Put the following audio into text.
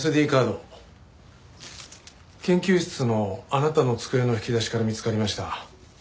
カード研究室のあなたの机の引き出しから見つかりました。